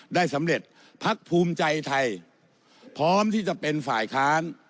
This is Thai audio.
ได้สำเร็จพักภูมิใจไทยพร้อมที่จะเป็นฝ่ายค้าน